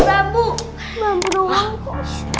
tunggu tunggu tunggu